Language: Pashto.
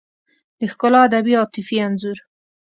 د ښکلا ادبي او عاطفي انځور